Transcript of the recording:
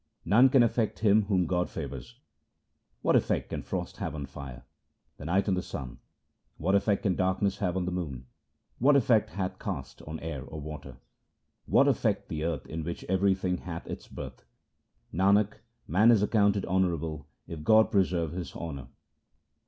Nothing can affect him whom God favours :— What effect can frost have on fire, the night on the sun ? What effect can darkness have on the moon ? What effect hath caste on air or water ? What can affect the earth in which everything hath its birth ? Nanak, man is accounted honourable if God preserve his honour.